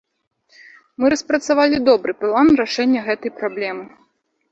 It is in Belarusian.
Мы распрацавалі добры план рашэння гэтай праблемы.